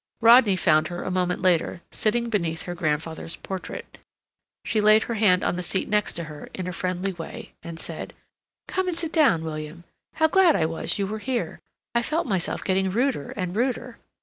Rodney found her a moment later sitting beneath her grandfather's portrait. She laid her hand on the seat next her in a friendly way, and said: "Come and sit down, William. How glad I was you were here! I felt myself getting ruder and ruder."